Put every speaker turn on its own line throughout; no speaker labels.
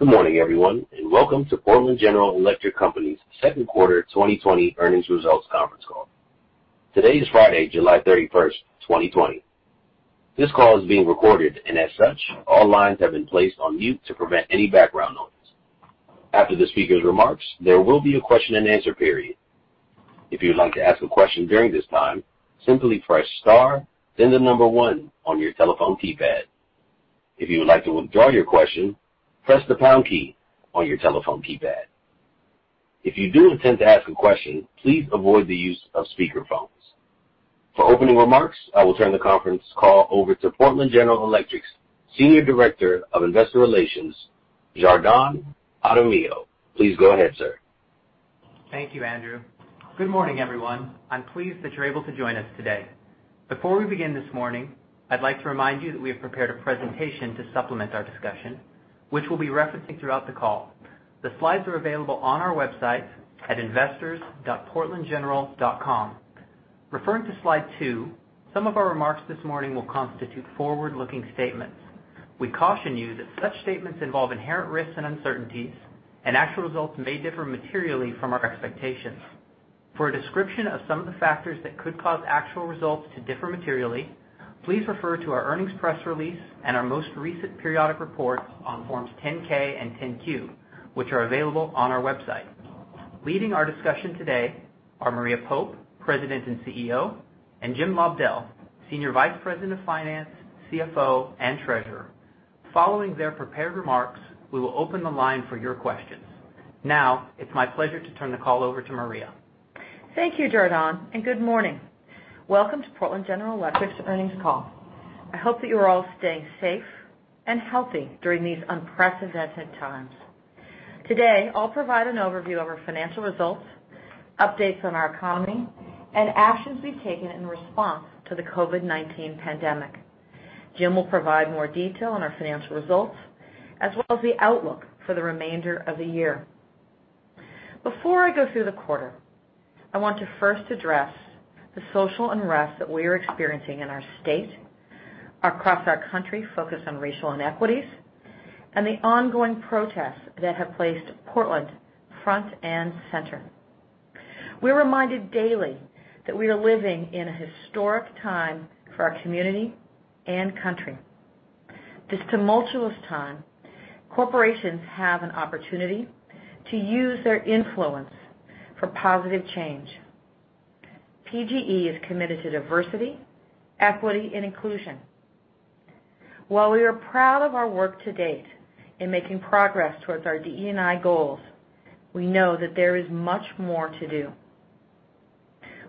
Good morning, everyone. Welcome to Portland General Electric Company's second quarter 2020 earnings results conference call. Today is Friday, July 31st, 2020. This call is being recorded, and as such, all lines have been placed on mute to prevent any background noise. After the speaker's remarks, there will be a question and answer period. If you'd like to ask a question during this time, simply press star, then the number one on your telephone keypad. If you would like to withdraw your question, press the pound key on your telephone keypad. If you do intend to ask a question, please avoid the use of speakerphones. For opening remarks, I will turn the conference call over to Portland General Electric's Senior Director of Investor Relations, Jardon Jaramillo. Please go ahead, sir.
Thank you, Andrew. Good morning, everyone. I'm pleased that you're able to join us today. Before we begin this morning, I'd like to remind you that we have prepared a presentation to supplement our discussion, which we'll be referencing throughout the call. The slides are available on our website at investors.portlandgeneral.com. Referring to slide two, some of our remarks this morning will constitute forward-looking statements. We caution you that such statements involve inherent risks and uncertainties. Actual results may differ materially from our expectations. For a description of some of the factors that could cause actual results to differ materially, please refer to our earnings press release and our most recent periodic reports on forms 10-K and 10-Q, which are available on our website. Leading our discussion today are Maria Pope, President and CEO, and Jim Lobdell, Senior Vice President of Finance, CFO, and Treasurer. Following their prepared remarks, we will open the line for your questions. Now, it's my pleasure to turn the call over to Maria.
Thank you, Jardon, and good morning. Welcome to Portland General Electric's earnings call. I hope that you're all staying safe and healthy during these unprecedented times. Today, I'll provide an overview of our financial results, updates on our economy, and actions being taken in response to the COVID-19 pandemic. Jim will provide more detail on our financial results as well as the outlook for the remainder of the year. Before I go through the quarter, I want to first address the social unrest that we are experiencing in our state, across our country focused on racial inequities, and the ongoing protests that have placed Portland front and center. We're reminded daily that we are living in a historic time for our community and country. This tumultuous time, corporations have an opportunity to use their influence for positive change. PGE is committed to diversity, equity, and inclusion. While we are proud of our work to date in making progress towards our DE&I goals, we know that there is much more to do.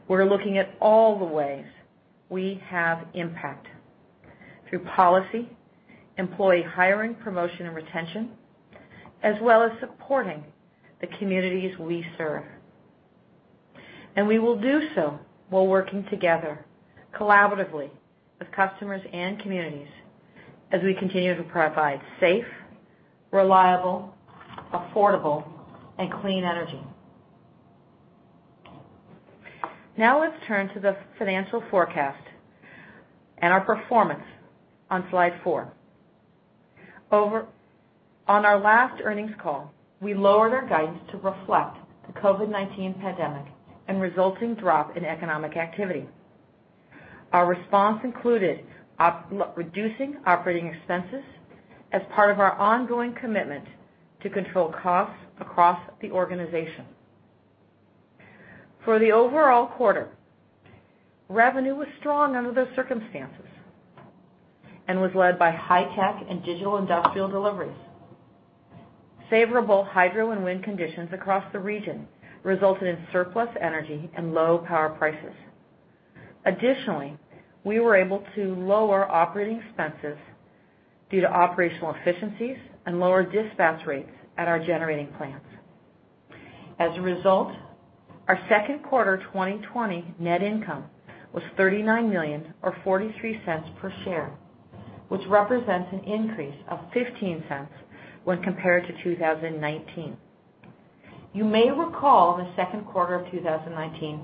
We're looking at all the ways we have impact through policy, employee hiring, promotion, and retention, as well as supporting the communities we serve. We will do so while working together collaboratively with customers and communities as we continue to provide safe, reliable, affordable, and clean energy. Now let's turn to the financial forecast and our performance on slide four. On our last earnings call, we lowered our guidance to reflect the COVID-19 pandemic and resulting drop in economic activity. Our response included reducing operating expenses as part of our ongoing commitment to control costs across the organization. For the overall quarter, revenue was strong under those circumstances and was led by high-tech and digital industrial deliveries. Favorable hydro and wind conditions across the region resulted in surplus energy and low power prices. Additionally, we were able to lower operating expenses due to operational efficiencies and lower dispatch rates at our generating plants. As a result, our second quarter 2020 net income was $39 million or $0.43 per share, which represents an increase of $0.15 when compared to 2019. You may recall the second quarter of 2019,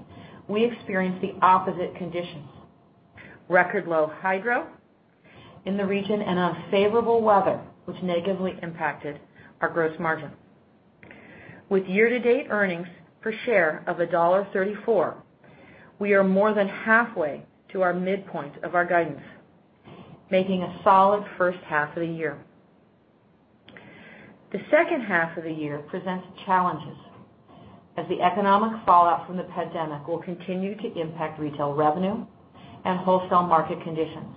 we experienced the opposite conditions. Record low hydro in the region and unfavorable weather, which negatively impacted our gross margin. With year to date earnings per share of $1.34, we are more than halfway to our midpoint of our guidance, making a solid first half of the year. The second half of the year presents challenges as the economic fallout from the pandemic will continue to impact retail revenue and wholesale market conditions.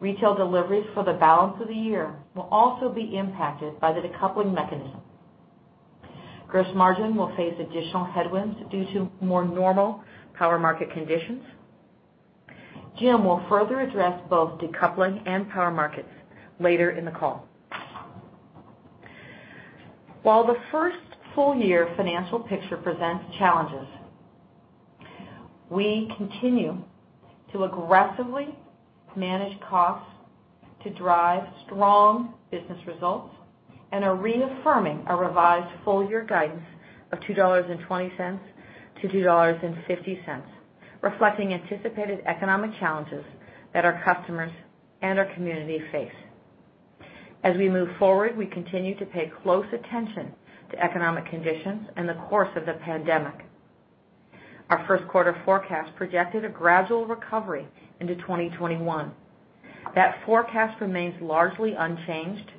Retail deliveries for the balance of the year will also be impacted by the decoupling mechanism. Gross margin will face additional headwinds due to more normal power market conditions. Jim will further address both decoupling and power markets later in the call. While the first full year financial picture presents challenges, we continue to aggressively manage costs to drive strong business results and are reaffirming our revised full year guidance of $2.20-$2.50. Reflecting anticipated economic challenges that our customers and our community face. We move forward, we continue to pay close attention to economic conditions and the course of the pandemic. Our first quarter forecast projected a gradual recovery into 2021. That forecast remains largely unchanged.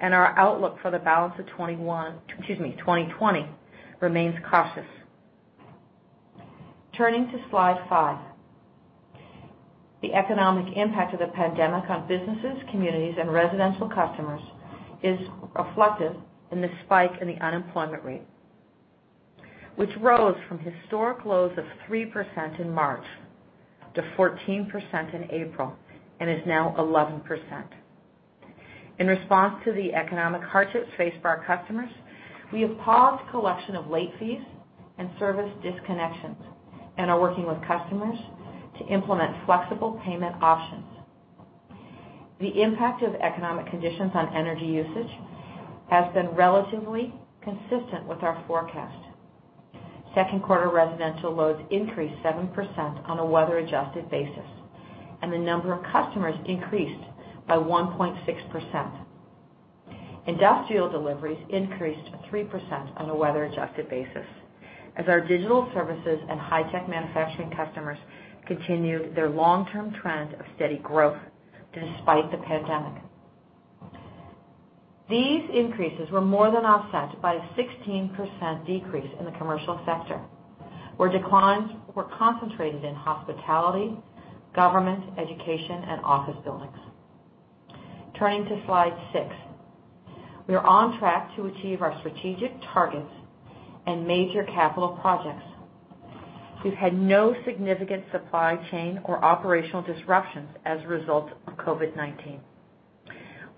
Our outlook for the balance of 2020 remains cautious. Turning to slide five. The economic impact of the pandemic on businesses, communities, and residential customers is reflected in the spike in the unemployment rate, which rose from historic lows of 3% in March to 14% in April, and is now 11%. In response to the economic hardships faced by our customers, we have paused collection of late fees and service disconnections and are working with customers to implement flexible payment options. Second quarter residential loads increased 7% on a weather-adjusted basis, and the number of customers increased by 1.6%. Industrial deliveries increased 3% on a weather-adjusted basis as our digital services and high-tech manufacturing customers continued their long-term trend of steady growth despite the pandemic. These increases were more than offset by a 16% decrease in the commercial sector, where declines were concentrated in hospitality, government, education, and office buildings. Turning to slide six. We are on track to achieve our strategic targets and major capital projects. We've had no significant supply chain or operational disruptions as a result of COVID-19.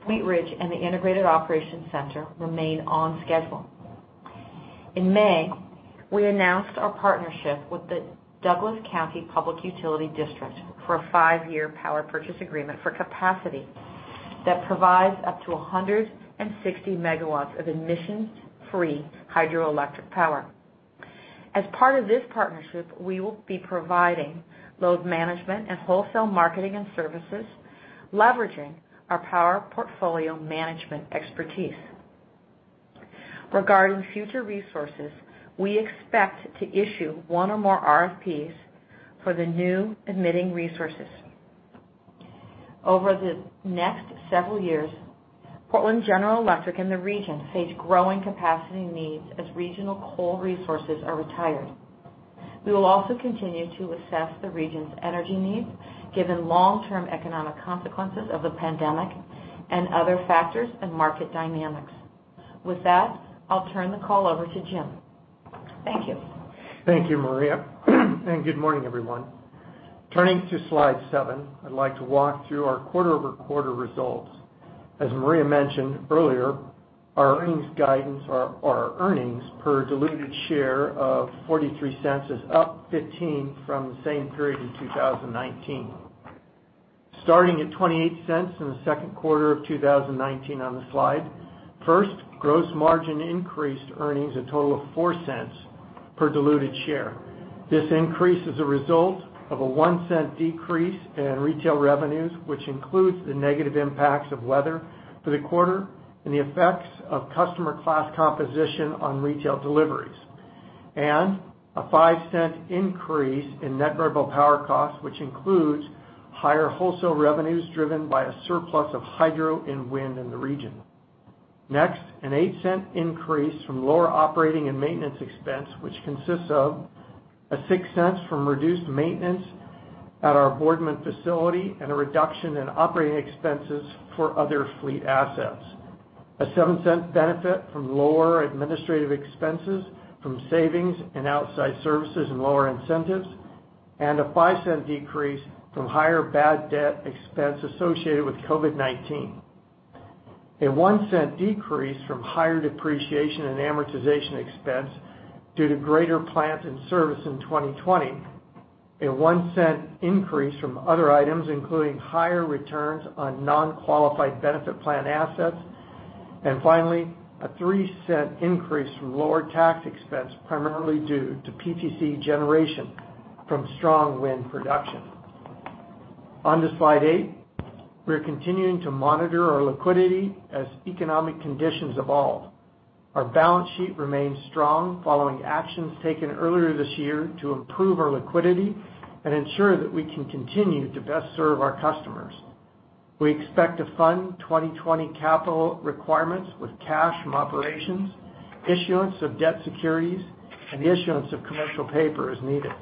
Wheatridge and the Integrated Operations Center remain on schedule. In May, we announced our partnership with the Douglas County Public Utility District for a five-year power purchase agreement for capacity that provides up to 160 MW of emissions-free hydroelectric power. As part of this partnership, we will be providing load management and wholesale marketing and services, leveraging our power portfolio management expertise. Regarding future resources, we expect to issue one or more RFPs for the new emitting resources. Over the next several years, Portland General Electric and the region face growing capacity needs as regional coal resources are retired. We will also continue to assess the region's energy needs, given long-term economic consequences of the pandemic and other factors and market dynamics. With that, I'll turn the call over to Jim. Thank you.
Good morning, everyone. Turning to slide seven, I'd like to walk through our quarter-over-quarter results. As Maria mentioned earlier, our earnings guidance or our earnings per diluted share of $0.43 is up $0.15 from the same period in 2019. Starting at $0.28 in the second quarter of 2019 on the slide. First, gross margin increased earnings a total of $0.04 per diluted share. This increase is a result of a $0.01 decrease in retail revenues, which includes the negative impacts of weather for the quarter and the effects of customer class composition on retail deliveries, and a $0.05 increase in net variable power costs, which includes higher wholesale revenues driven by a surplus of hydro and wind in the region. Next an $0.08 increase from lower operating and maintenance expense, which consists of $0.06 from reduced maintenance at our Boardman facility and a reduction in operating expenses for other fleet assets. A $0.07 benefit from lower administrative expenses from savings in outside services and lower incentives, and a $0.05 decrease from higher bad debt expense associated with COVID-19. A $0.01 decrease from higher depreciation and amortization expense due to greater plant and service in 2020. A $0.01 increase from other items, including higher returns on non-qualified benefit plan assets. Finally, a $0.03 increase from lower tax expense, primarily due to PTC generation from strong wind production. On to slide eight. We're continuing to monitor our liquidity as economic conditions evolve. Our balance sheet remains strong following actions taken earlier this year to improve our liquidity and ensure that we can continue to best serve our customers. We expect to fund 2020 capital requirements with cash from operations, issuance of debt securities, and the issuance of commercial paper as needed.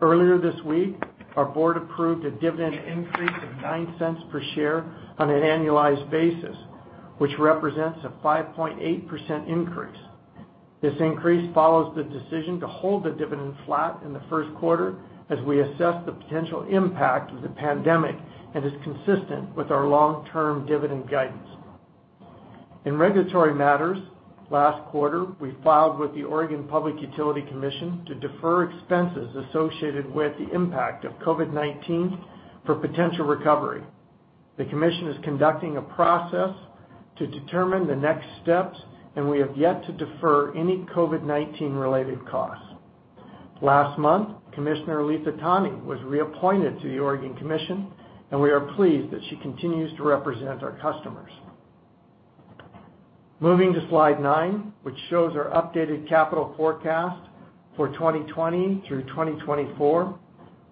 Earlier this week, our board approved a dividend increase of $0.09 per share on an annualized basis, which represents a 5.8% increase. This increase follows the decision to hold the dividend flat in the first quarter as we assess the potential impact of the pandemic and is consistent with our long-term dividend guidance. In regulatory matters, last quarter, we filed with the Oregon Public Utility Commission to defer expenses associated with the impact of COVID-19 for potential recovery. The commission is conducting a process to determine the next steps, and we have yet to defer any COVID-19-related costs. Last month, Commissioner Letha Tawney was reappointed to the Oregon Commission, and we are pleased that she continues to represent our customers. Moving to slide nine, which shows our updated capital forecast for 2020 through 2024.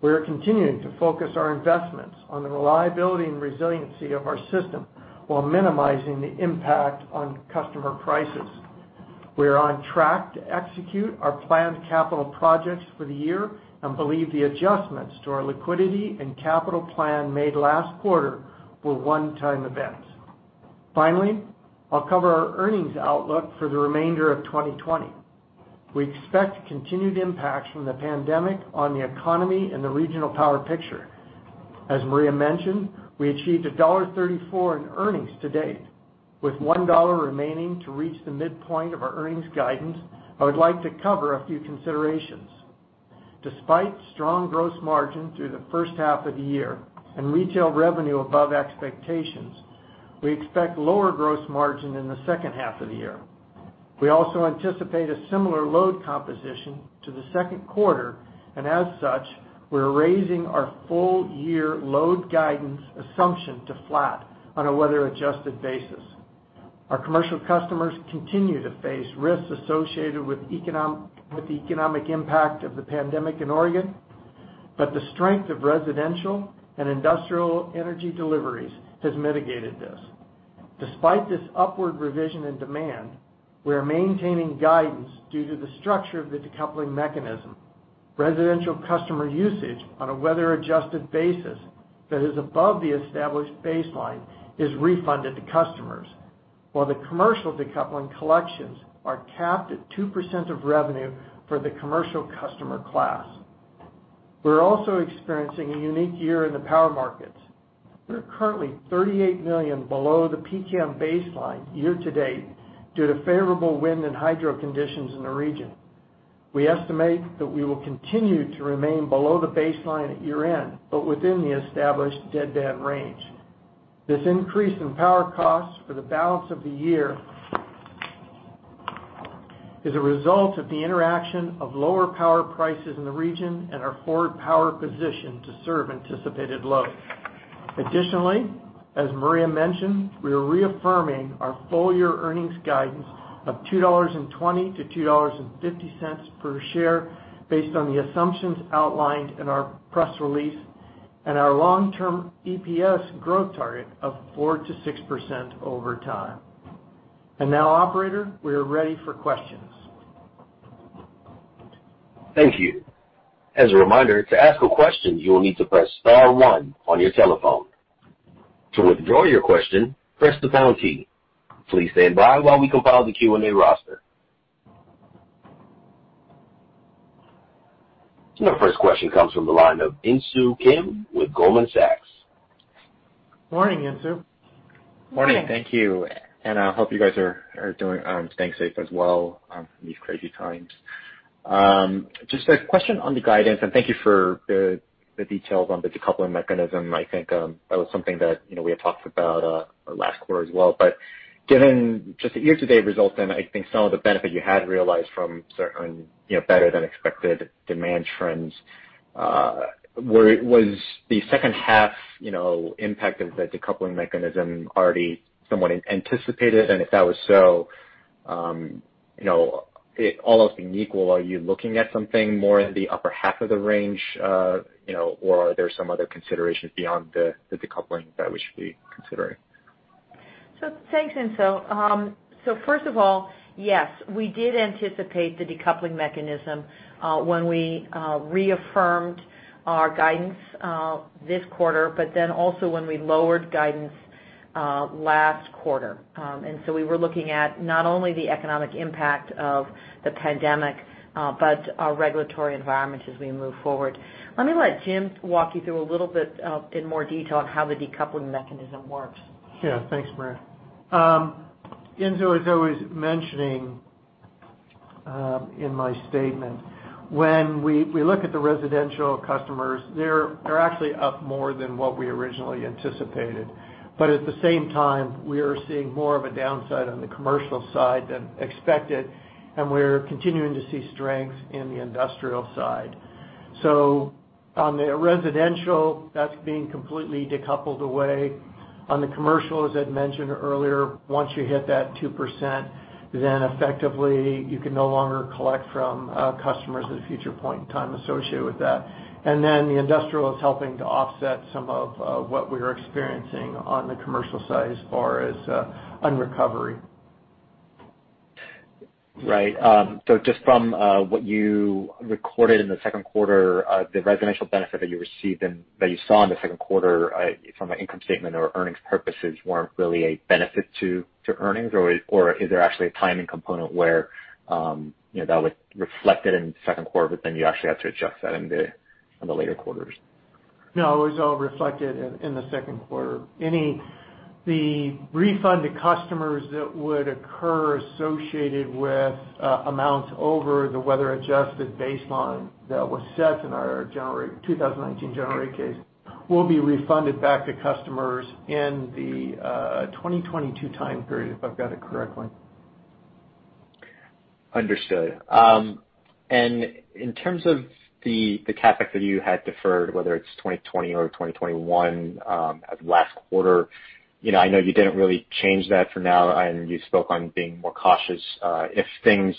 We are continuing to focus our investments on the reliability and resiliency of our system while minimizing the impact on customer prices. We are on track to execute our planned capital projects for the year and believe the adjustments to our liquidity and capital plan made last quarter were one-time events. Finally, I'll cover our earnings outlook for the remainder of 2020. We expect continued impacts from the pandemic on the economy and the regional power picture. As Maria mentioned, we achieved $1.34 in earnings to date. With $1 remaining to reach the midpoint of our earnings guidance, I would like to cover a few considerations. Despite strong gross margin through the first half of the year and retail revenue above expectations, we expect lower gross margin in the second half of the year. We also anticipate a similar load composition to the second quarter. As such, we're raising our full-year load guidance assumption to flat on a weather-adjusted basis. Our commercial customers continue to face risks associated with the economic impact of the pandemic in Oregon but the strength of residential and industrial energy deliveries has mitigated this. Despite this upward revision in demand, we are maintaining guidance due to the structure of the decoupling mechanism. Residential customer usage on a weather-adjusted basis that is above the established baseline is refunded to customers, while the commercial decoupling collections are capped at 2% of revenue for the commercial customer class. We're also experiencing a unique year in the power markets. We are currently $38 million below the PCAM baseline year to date due to favorable wind and hydro conditions in the region. We estimate that we will continue to remain below the baseline at year-end, but within the established deadband range. This increase in power costs for the balance of the year is a result of the interaction of lower power prices in the region and our forward power position to serve anticipated load. As Maria mentioned, we are reaffirming our full-year earnings guidance of $2.20-$2.50 per share based on the assumptions outlined in our press release and our long-term EPS growth target of 4%-6% over time. Now, operator, we are ready for questions.
Thank you. As a reminder, to ask a question, you will need to press star one on your telephone. To withdraw your question, press the pound key. Please stand by while we compile the Q&A roster. Your first question comes from the line of Insoo Kim with Goldman Sachs.
Morning, Insoo.
Morning. Thank you. I hope you guys are staying safe as well in these crazy times. Just a question on the guidance, and thank you for the details on the decoupling mechanism. I think that was something that we had talked about last quarter as well. Given just the year to date results, and I think some of the benefit you had realized from certain better-than-expected demand trends, was the second half impact of the decoupling mechanism already somewhat anticipated? If that was so, all else being equal, are you looking at something more in the upper half of the range, or are there some other considerations beyond the decoupling that we should be considering?
Thanks, Insoo. First of all, yes, we did anticipate the decoupling mechanism when we reaffirmed our guidance this quarter, but then also when we lowered guidance last quarter. We were looking at not only the economic impact of the pandemic, but our regulatory environment as we move forward. Let me let Jim walk you through a little bit in more detail on how the decoupling mechanism works.
Thanks, Maria. Insoo, as I was mentioning in my statement, when we look at the residential customers, they're actually up more than what we originally anticipated. At the same time, we are seeing more of a downside on the commercial side than expected, and we're continuing to see strength in the industrial side. On the residential, that's being completely decoupled away. On the commercial, as I'd mentioned earlier, once you hit that 2%, effectively you can no longer collect from customers at a future point in time associated with that. The industrial is helping to offset some of what we are experiencing on the commercial side as far as unrecovery.
Right. Just from what you recorded in the second quarter, the residential benefit that you received and that you saw in the second quarter from an income statement or earnings purposes weren't really a benefit to earnings? Is there actually a timing component where that was reflected in the second quarter, but then you actually had to adjust that in the later quarters?
No, it was all reflected in the second quarter. The refund to customers that would occur associated with amounts over the weather-adjusted baseline that was set in our 2019 general rate case will be refunded back to customers in the 2022 time period, if I've got it correctly.
Understood. In terms of the CapEx that you had deferred, whether it's 2020 or 2021, at last quarter, I know you didn't really change that for now, and you spoke on being more cautious. If things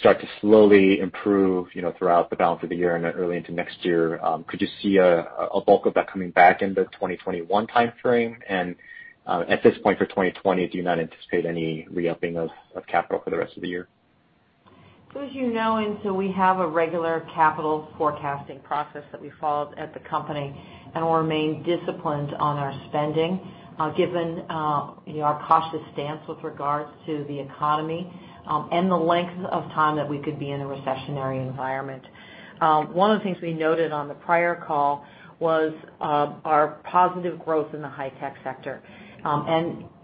start to slowly improve throughout the balance of the year and early into next year, could you see a bulk of that coming back in the 2021 timeframe? At this point for 2020, do you not anticipate any re-upping of capital for the rest of the year?
As you know, we have a regular capital forecasting process that we followed at the company, and we'll remain disciplined on our spending, given our cautious stance with regards to the economy, and the length of time that we could be in a recessionary environment. One of the things we noted on the prior call was our positive growth in the high-tech sector.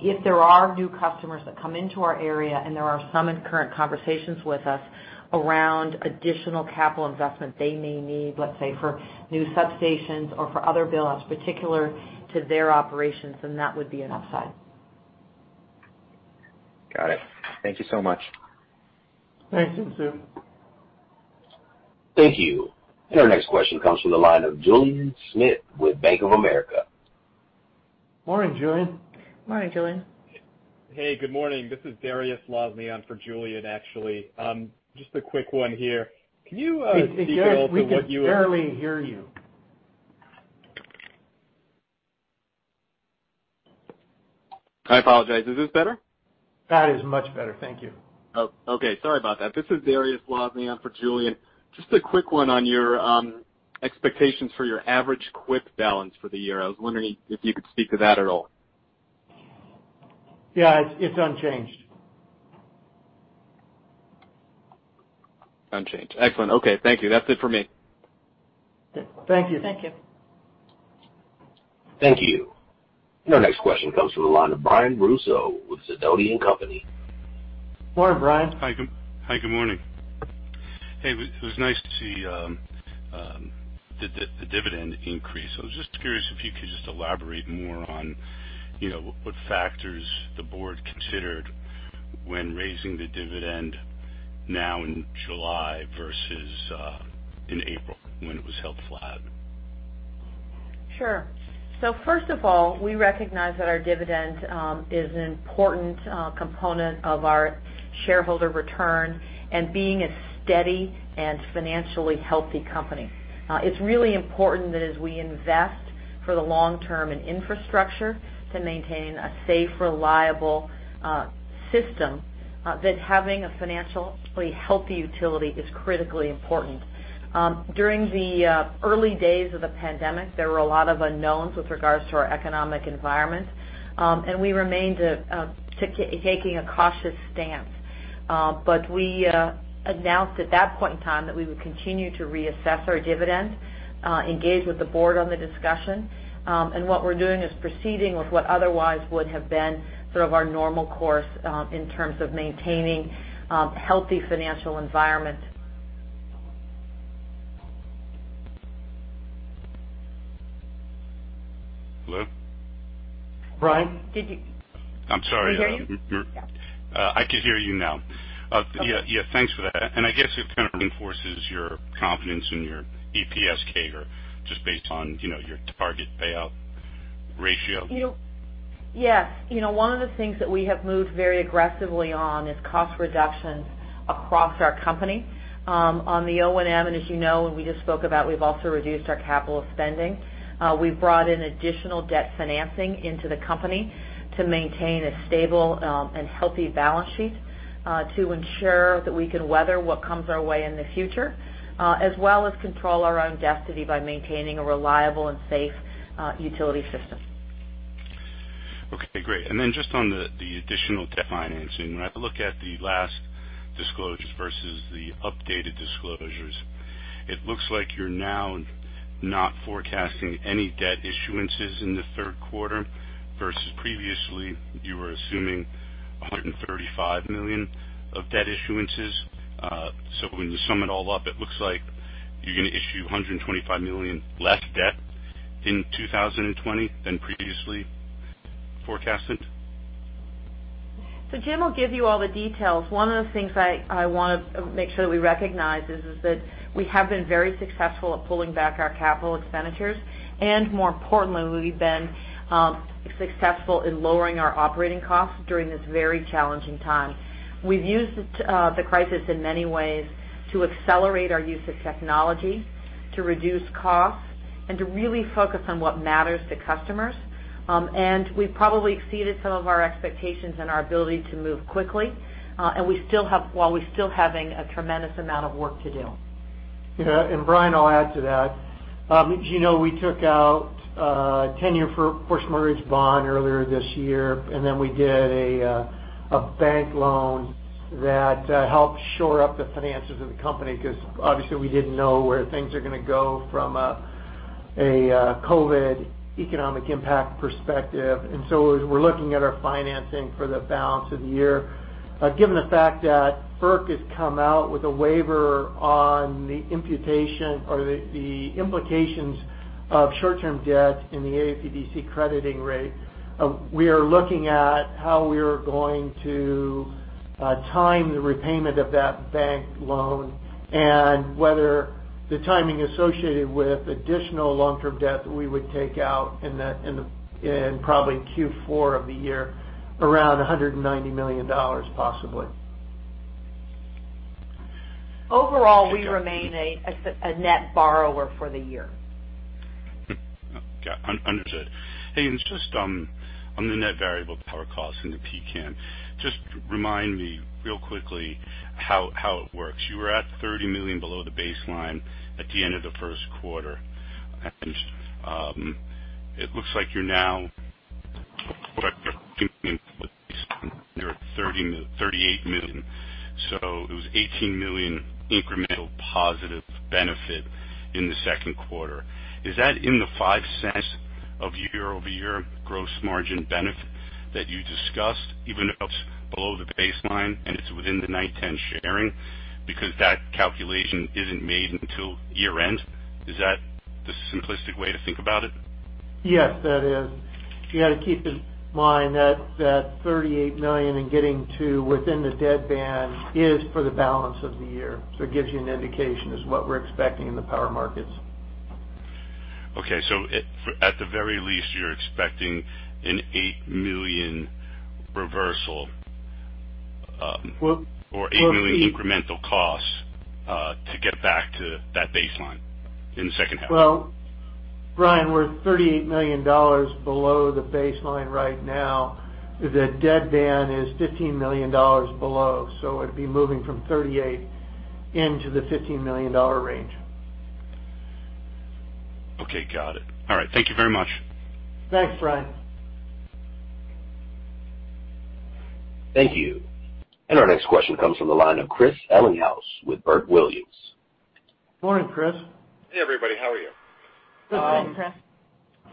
If there are new customers that come into our area, and there are some in current conversations with us around additional capital investment they may need, let's say, for new substations or for other build-outs particular to their operations, then that would be an upside.
Got it. Thank you so much.
Thanks, Insoo.
Thank you. Our next question comes from the line of Julien Smith with Bank of America.
Morning, Julien.
Morning, Julien.
Hey, good morning. This is Dariusz Lozny for Julien, actually. Just a quick one here.
Hey, Dariusz, we can barely hear you.
I apologize. Is this better?
That is much better. Thank you.
Okay. Sorry about that. This is Dariusz Lozny for Julien. A quick one on your expectations for your average quick balance for the year. I was wondering if you could speak to that at all.
Yeah, it's unchanged.
Unchanged. Excellent. Okay, thank you. That's it for me.
Thank you.
Thank you.
Thank you. Our next question comes from the line of Brian Russo with Sidoti & Company.
Morning, Brian.
Hi. Good morning. Hey, it was nice to see the dividend increase. I was just curious if you could just elaborate more on what factors the board considered when raising the dividend now in July versus in April when it was held flat.
Sure. First of all, we recognize that our dividend is an important component of our shareholder return and being a steady and financially healthy company. It's really important that as we invest for the long term in infrastructure to maintain a safe, reliable system, that having a financially healthy utility is critically important. During the early days of the pandemic, there were a lot of unknowns with regards to our economic environment, and we remained taking a cautious stance. We announced at that point in time that we would continue to reassess our dividend, engage with the board on the discussion. What we're doing is proceeding with what otherwise would have been sort of our normal course, in terms of maintaining healthy financial environment.
Hello?
Brian?
Did you-
I'm sorry.
Can you hear me?
I can hear you now.
Okay.
Yeah, thanks for that. I guess it kind of reinforces your confidence in your EPS CAGR just based on your target payout ratio.
Yes. One of the things that we have moved very aggressively on is cost reductions across our company. On the O&M, and as you know, and we just spoke about, we've also reduced our capital spending. We've brought in additional debt financing into the company to maintain a stable and healthy balance sheet, to ensure that we can weather what comes our way in the future, as well as control our own destiny by maintaining a reliable and safe utility system.
Okay, great. Just on the additional debt financing, when I have a look at the last disclosures versus the updated disclosures, it looks like you're now not forecasting any debt issuances in the third quarter versus previously you were assuming $135 million of debt issuances. When you sum it all up, it looks like you're going to issue $125 million less debt in 2020 than previously forecasted?
Jim will give you all the details. One of the things I want to make sure that we recognize is that we have been very successful at pulling back our capital expenditures, and more importantly, we've been successful in lowering our operating costs during this very challenging time. We've used the crisis in many ways to accelerate our use of technology, to reduce costs, and to really focus on what matters to customers. We've probably exceeded some of our expectations and our ability to move quickly, while we're still having a tremendous amount of work to do.
Yeah. Brian, I'll add to that. As you know, we took out a 10-year first mortgage bond earlier this year, and then we did a bank loan that helped shore up the finances of the company, because obviously we didn't know where things are going to go from a COVID economic impact perspective. As we're looking at our financing for the balance of the year, given the fact that FERC has come out with a waiver on the imputation or the implications of short-term debt in the PCAM crediting rate, we are looking at how we are going to time the repayment of that bank loan and whether the timing associated with additional long-term debt we would take out in probably Q4 of the year, around $190 million possibly.
Overall, we remain a net borrower for the year.
Got it. Understood. Hey, just on the net variable power costs in the PCAM, just remind me real quickly how it works. You were at $30 million below the baseline at the end of the first quarter. It looks like you're now at $38 million. There was $18 million incremental positive benefit in the second quarter. Is that in the $0.05 of year-over-year gross margin benefit that you discussed, even if it's below the baseline and it's within the 9/10 sharing, because that calculation isn't made until year-end? Is that the simplistic way to think about it?
Yes, that is. You got to keep in mind that that $38 million in getting to within the deadband is for the balance of the year. It gives you an indication as what we're expecting in the power markets.
Okay. At the very least, you're expecting an $8 million reversal.
Well-
$8 million incremental costs to get back to that baseline in the second half.
Well, Brian, we're $38 million below the baseline right now. The deadband is $15 million below. It'd be moving from $38 into the $15 million range.
Okay, got it. All right. Thank you very much.
Thanks, Brian.
Thank you. Our next question comes from the line of Chris Ellinghaus with Baird.
Morning, Chris.
Hey, everybody. How are you?
Good morning, Chris.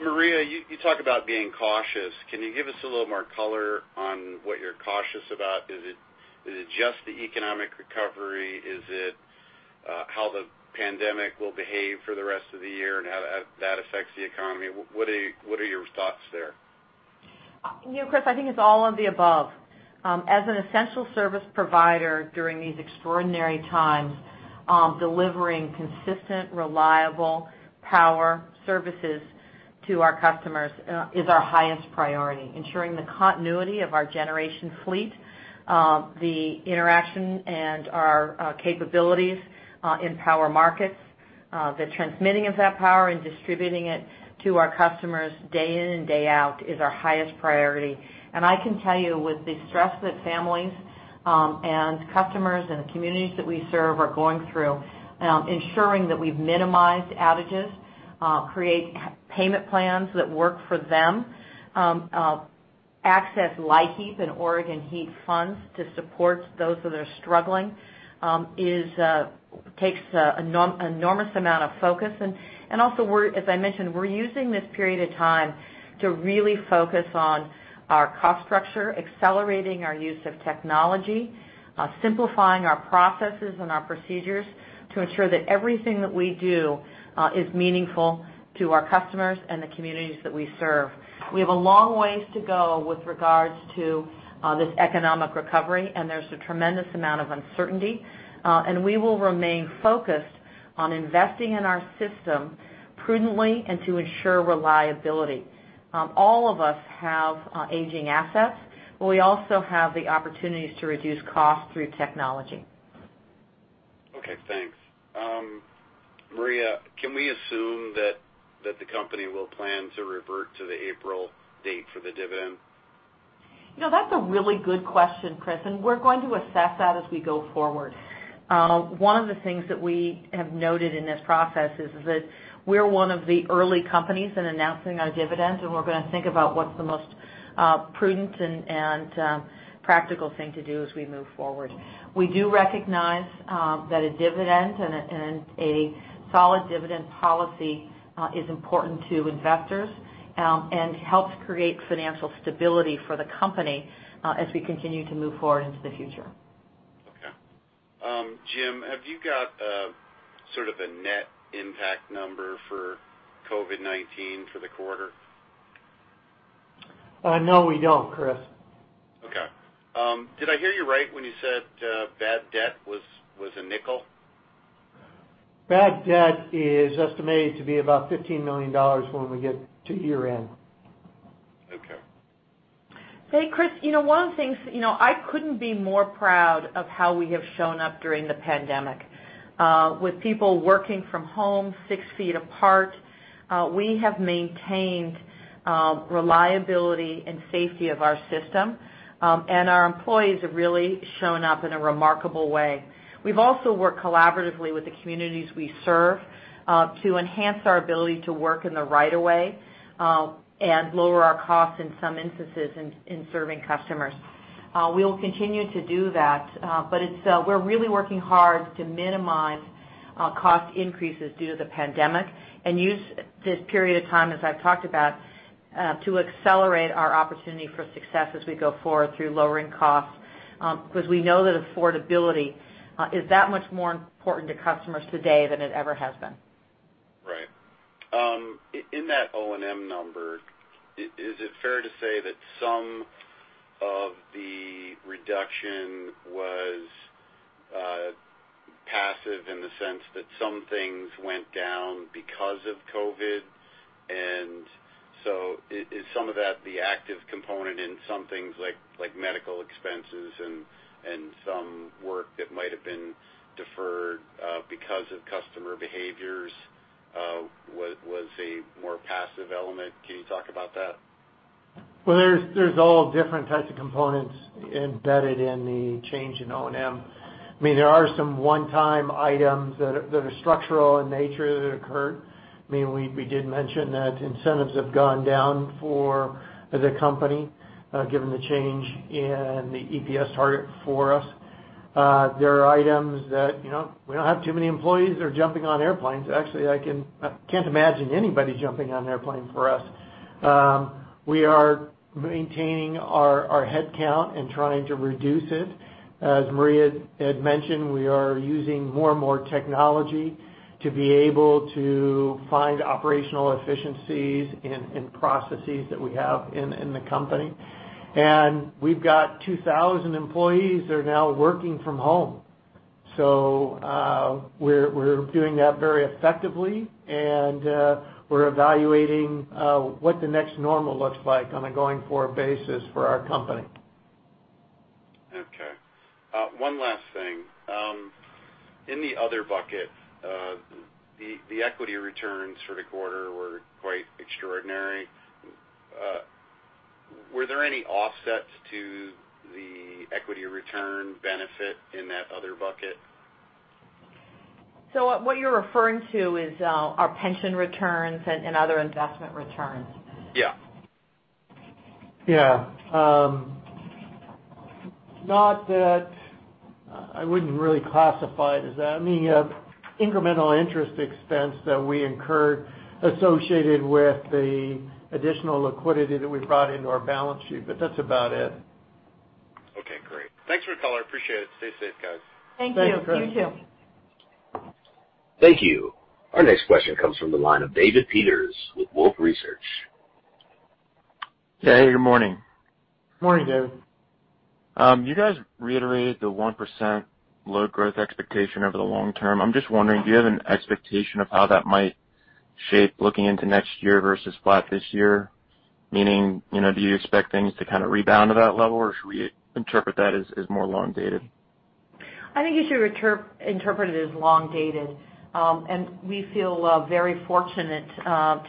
Maria, you talk about being cautious. Can you give us a little more color on what you're cautious about? Is it just the economic recovery? Is it how the pandemic will behave for the rest of the year and how that affects the economy? What are your thoughts there?
Chris, I think it's all of the above. As an essential service provider during these extraordinary times, delivering consistent, reliable power services to our customers is our highest priority. Ensuring the continuity of our generation fleet, the interaction and our capabilities in power markets, the transmitting of that power and distributing it to our customers day in and day out is our highest priority. I can tell you with the stress that families and customers and the communities that we serve are going through, ensuring that we've minimized outages, create payment plans that work for them, access LIHEAP and Oregon Heat funds to support those that are struggling takes an enormous amount of focus. Also, as I mentioned, we're using this period of time to really focus on our cost structure, accelerating our use of technology, simplifying our processes and our procedures to ensure that everything that we do is meaningful to our customers and the communities that we serve. We have a long ways to go with regards to this economic recovery, and there's a tremendous amount of uncertainty. We will remain focused on investing in our system prudently and to ensure reliability. All of us have aging assets, but we also have the opportunities to reduce costs through technology.
Okay, thanks. Maria, can we assume that the company will plan to revert to the April date for the dividend?
That's a really good question, Chris, and we're going to assess that as we go forward. One of the things that we have noted in this process is that we're one of the early companies in announcing our dividend, and we're going to think about what's the most prudent and practical thing to do as we move forward. We do recognize that a dividend and a solid dividend policy is important to investors and helps create financial stability for the company as we continue to move forward into the future.
Okay. Jim, have you got sort of a net impact number for COVID-19 for the quarter?
No, we don't, Chris.
Okay. Did I hear you right when you said bad debt was $0.05?
Bad debt is estimated to be about $15 million when we get to year-end.
Okay.
Hey, Chris, one of the things, I couldn't be more proud of how we have shown up during the pandemic. With people working from home 6 ft apart, we have maintained reliability and safety of our system. Our employees have really shown up in a remarkable way. We've also worked collaboratively with the communities we serve, to enhance our ability to work in the right of way, and lower our costs in some instances in serving customers. We will continue to do that. We're really working hard to minimize cost increases due to the pandemic and use this period of time, as I've talked about, to accelerate our opportunity for success as we go forward through lowering costs, because we know that affordability is that much more important to customers today than it ever has been.
Right. In that O&M number, is it fair to say that some of the reduction was passive in the sense that some things went down because of COVID? Is some of that the active component in some things like medical expenses and some work that might have been deferred because of customer behaviors was a more passive element? Can you talk about that?
Well, there's all different types of components embedded in the change in O&M. There are some one-time items that are structural in nature that occurred. We did mention that incentives have gone down for the company, given the change in the EPS target for us. There are items we don't have too many employees that are jumping on airplanes. Actually, I can't imagine anybody jumping on an airplane for us. We are maintaining our headcount and trying to reduce it. As Maria had mentioned, we are using more and more technology to be able to find operational efficiencies in processes that we have in the company. We've got 2,000 employees that are now working from home. We're doing that very effectively, and we're evaluating what the next normal looks like on a going-forward basis for our company.
Okay. One last thing. In the other bucket, the equity returns for the quarter were quite extraordinary. Were there any offsets to the equity return benefit in that other bucket?
What you're referring to is our pension returns and other investment returns.
Yeah.
Yeah. I wouldn't really classify it as that. Incremental interest expense that we incurred associated with the additional liquidity that we brought into our balance sheet, but that's about it.
Okay, great. Thanks for the call. I appreciate it. Stay safe, guys.
Thank you. You too.
Thanks, Chris.
Thank you. Our next question comes from the line of David Peters with Wolfe Research.
Yeah. Good morning.
Morning, David.
You guys reiterated the 1% load growth expectation over the long term. I'm just wondering, do you have an expectation of how that might shape looking into next year versus flat this year? Meaning, do you expect things to kind of rebound to that level, or should we interpret that as more long-dated?
I think you should interpret it as long-dated. We feel very fortunate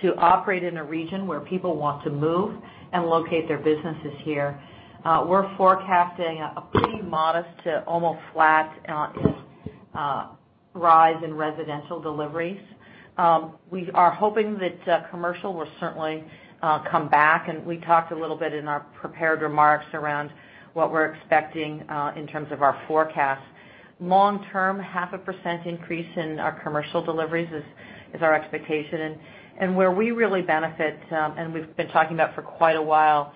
to operate in a region where people want to move and locate their businesses here. We're forecasting a pretty modest to almost flat rise in residential deliveries. We are hoping that commercial will certainly come back, and we talked a little bit in our prepared remarks around what we're expecting in terms of our forecast. Long term, 0.5% increase in our commercial deliveries is our expectation. Where we really benefit, and we've been talking about for quite a while,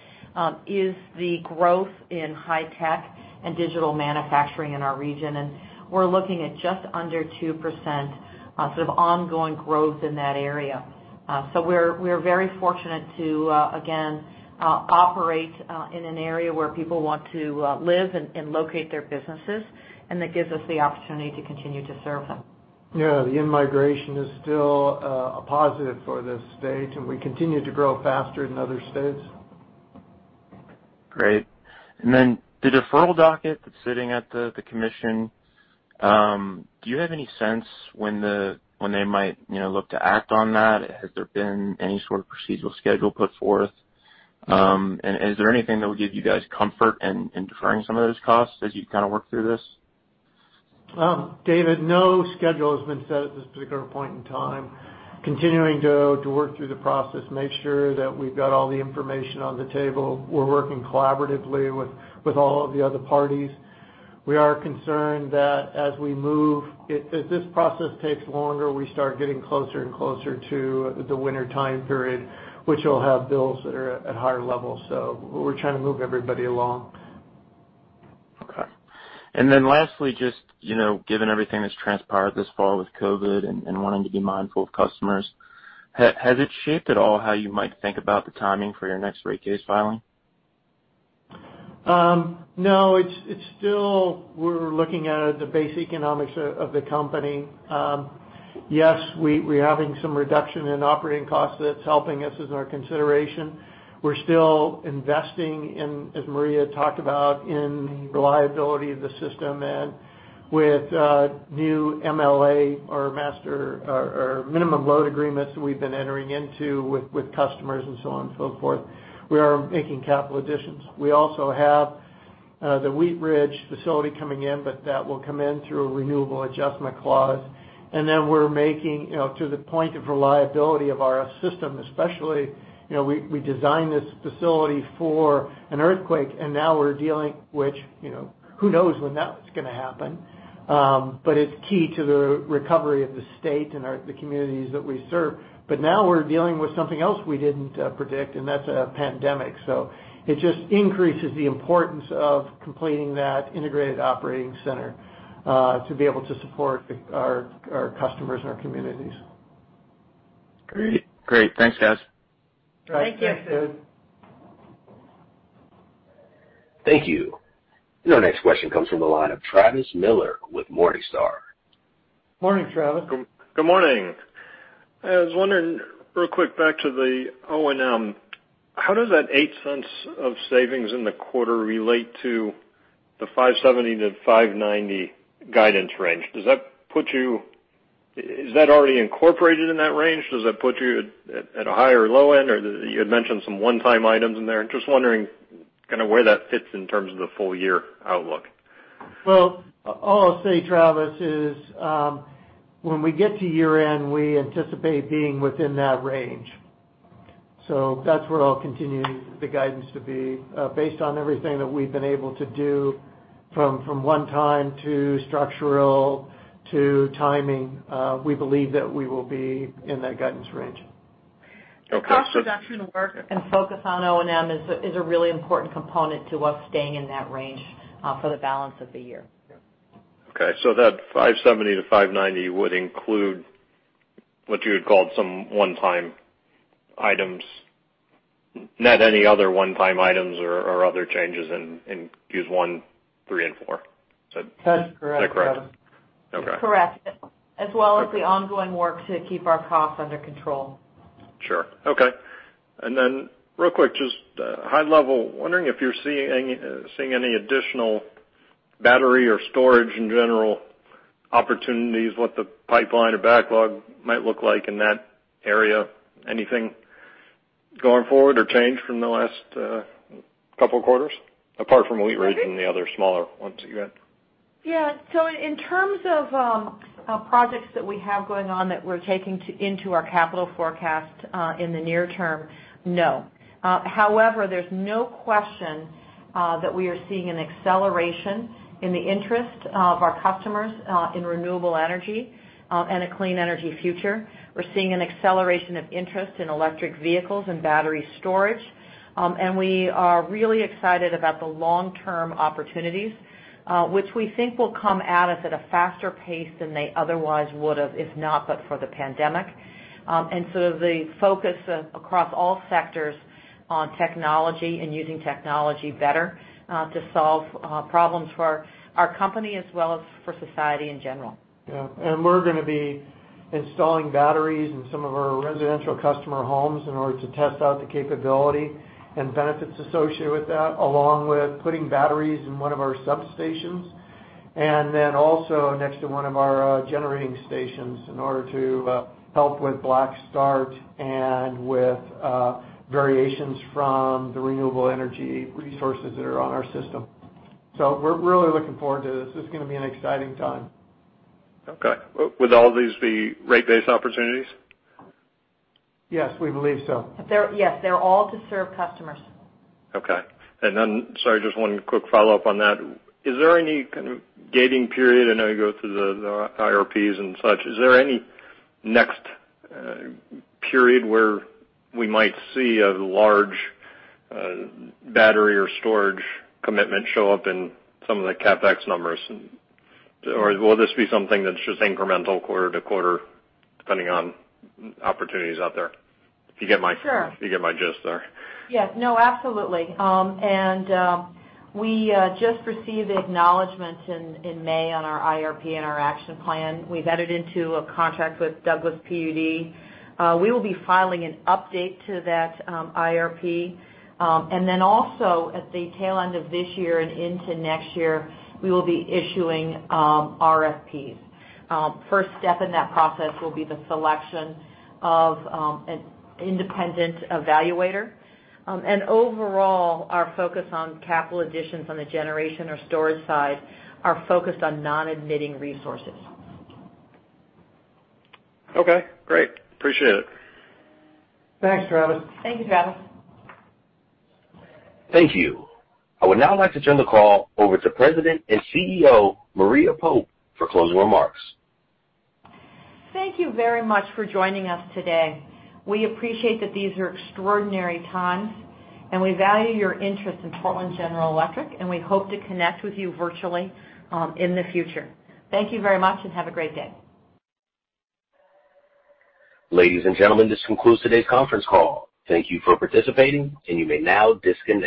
is the growth in high tech and digital manufacturing in our region, and we're looking at just under 2% sort of ongoing growth in that area. We're very fortunate to, again, operate in an area where people want to live and locate their businesses, and that gives us the opportunity to continue to serve them.
The in-migration is still a positive for this state, and we continue to grow faster than other states.
Great. The deferral docket that's sitting at the commission, do you have any sense when they might look to act on that? Has there been any sort of procedural schedule put forth? Is there anything that will give you guys comfort in deferring some of those costs as you kind of work through this?
David, no schedule has been set at this particular point in time. Continuing to work through the process, make sure that we've got all the information on the table. We're working collaboratively with all of the other parties. We are concerned that if this process takes longer, we start getting closer and closer to the winter time period, which will have bills that are at higher levels. We're trying to move everybody along.
Okay. Lastly, just given everything that's transpired this fall with COVID and wanting to be mindful of customers, has it shaped at all how you might think about the timing for your next rate case filing?
No. We're looking at the base economics of the company. We're having some reduction in operating costs that's helping us as our consideration. We're still investing in, as Maria talked about, in reliability of the system and with new MLA or minimum load agreement that we've been entering into with customers and so on and so forth. We are making capital additions. We also have the Wheatridge facility coming in, that will come in through a Renewable Adjustment Clause. We're making to the point of reliability of our system, especially. We designed this facility for an earthquake, now we're dealing, which who knows when that one's going to happen? It's key to the recovery of the state and the communities that we serve. Now we're dealing with something else we didn't predict, and that's a pandemic. It just increases the importance of completing that integrated operating center, to be able to support our customers and our communities.
Great. Thanks, guys.
Thank you.
Thank you
Thank you. Your next question comes from the line of Travis Miller with Morningstar.
Morning, Travis.
Good morning. I was wondering real quick, back to the O&M. How does that $0.08 of savings in the quarter relate to the $570 million-$590 million guidance range? Is that already incorporated in that range? Does that put you at a high or low end? You had mentioned some one-time items in there. I'm just wondering where that fits in terms of the full year outlook.
All I'll say, Travis, is, when we get to year-end, we anticipate being within that range. That's where I'll continue the guidance to be. Based on everything that we've been able to do from one time to structural to timing, we believe that we will be in that guidance range.
Okay.
Cost reduction work and focus on O&M is a really important component to us staying in that range for the balance of the year.
Okay, that $570 million-$590 million would include what you had called some one-time items, net any other one-time items or other changes in Q1, Q3, and Q4. Is that correct?
That's correct, Travis.
Okay.
That's correct. As well as the ongoing work to keep our costs under control.
Sure. Okay. Then real quick, just high level, wondering if you're seeing any additional battery or storage in general opportunities, what the pipeline or backlog might look like in that area? Anything going forward or changed from the last couple of quarters, apart from Wheatridge and the other smaller ones that you had?
Yeah. In terms of projects that we have going on that we're taking into our capital forecast, in the near term, no. However, there's no question that we are seeing an acceleration in the interest of our customers, in renewable energy, and a clean energy future. We're seeing an acceleration of interest in electric vehicles and battery storage. We are really excited about the long-term opportunities, which we think will come at us at a faster pace than they otherwise would've, if not, but for the pandemic. The focus across all sectors on technology and using technology better, to solve problems for our company as well as for society in general.
We're going to be installing batteries in some of our residential customer homes in order to test out the capability and benefits associated with that, along with putting batteries in one of our substations. Also next to one of our generating stations in order to help with black start and with variations from the renewable energy resources that are on our system. We're really looking forward to this. This is going to be an exciting time.
Okay. Would all of these be rate-based opportunities?
Yes, we believe so.
Yes. They're all to serve customers.
Okay. Sorry, just one quick follow-up on that. Is there any kind of gating period? I know you go through the IRPs and such. Is there any next period where we might see a large battery or storage commitment show up in some of the CapEx numbers? Will this be something that's just incremental quarter to quarter depending on opportunities out there?
Sure.
You get my gist there.
No, absolutely. We just received acknowledgement in May on our IRP and our action plan. We've entered into a contract with Douglas PUD. We will be filing an update to that IRP. Then also at the tail end of this year and into next year, we will be issuing RFPs. First step in that process will be the selection of an independent evaluator. Overall, our focus on capital additions on the generation or storage side are focused on non-emitting resources.
Okay, great. Appreciate it.
Thanks, Travis.
Thank you, Travis.
Thank you. I would now like to turn the call over to President and CEO, Maria Pope, for closing remarks.
Thank you very much for joining us today. We appreciate that these are extraordinary times, and we value your interest in Portland General Electric, and we hope to connect with you virtually in the future. Thank you very much, and have a great day.
Ladies and gentlemen, this concludes today's conference call. Thank you for participating, and you may now disconnect.